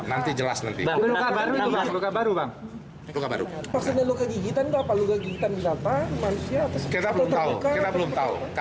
ada luka di kakinya